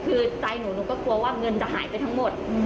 คือใจหนูหนูก็กลัวว่าเงินจะหายไปทั้งหมด